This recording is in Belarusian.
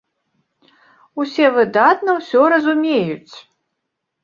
Усе выдатна ўсё разумеюць!